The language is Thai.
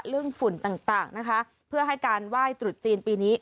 เรื่องฝุ่นต่างต่างนะคะเพื่อให้การไหว้ตรุดจีนปีนี้